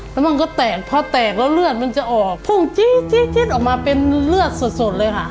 แล้วมันก็แตกพอแตกแล้วเลือดมันจะออกพุ่งจี๊ดออกมาเป็นเลือดสดเลยค่ะ